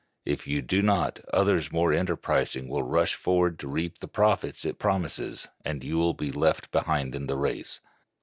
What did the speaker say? If you do not, others more enterprising will rush forward to reap the profits it promises, and you will be left behind in the race.